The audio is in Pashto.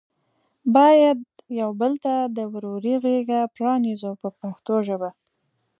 باید یو بل ته د ورورۍ غېږه پرانیزو په پښتو ژبه.